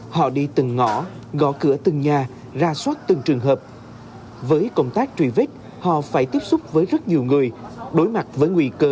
avoid công tác truy vết họ đi từng ngõ gõ cửa từng nhà ra soát từng trường hợp